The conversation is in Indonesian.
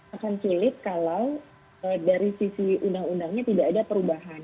akan sulit kalau dari sisi undang undangnya tidak ada perubahan